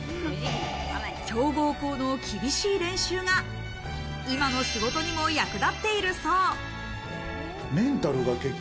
強豪校の厳しい練習が今の仕事にも役立っているそう。